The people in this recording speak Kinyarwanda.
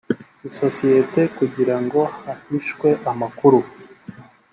isosiyete kugira ngo hahishwe amakuru